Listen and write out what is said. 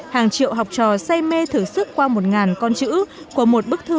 hàng triệu học trò say mê thử sức qua một năm